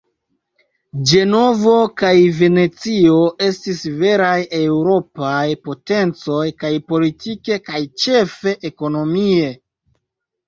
Ĝenovo kaj Venecio estis veraj eŭropaj potencoj kaj politike kaj ĉefe ekonomie.